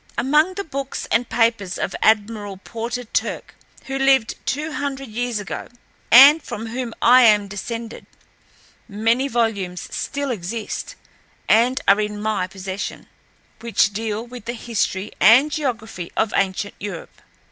"Among the books and papers of Admiral Porter Turck, who lived two hundred years ago, and from whom I am descended, many volumes still exist, and are in my possession, which deal with the history and geography of ancient Europe.